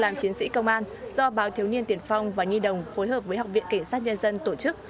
làm chiến sĩ công an do báo thiếu niên tiền phong và nhi đồng phối hợp với học viện kể sát nhân dân tổ chức